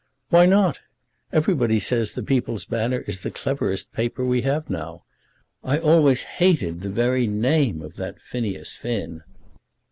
"Why not? Everybody says The People's Banner is the cleverest paper we have now. I always hated the very name of that Phineas Finn."